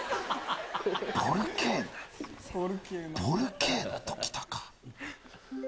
ボルケーノと来たか。